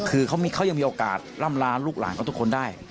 คือเขายังมีโอกาสล่ำลาลูกหลานเขาทุกคนได้